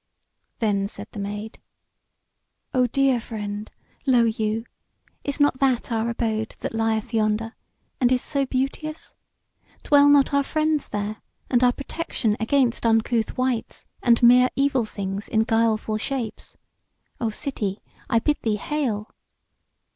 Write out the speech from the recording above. Then said the Maid: "O, dear friend, lo you! is not that our abode that lieth yonder, and is so beauteous? Dwell not our friends there, and our protection against uncouth wights, and mere evil things in guileful shapes? O city, I bid thee hail!"